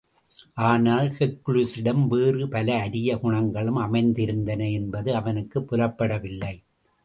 ஆனால், ஹெர்க்குலிஸிடம் வேறு பல அரிய குனங்களும் அமைந்திருந்தன என்பது அவனுக்குப் புலப்படவில்லை.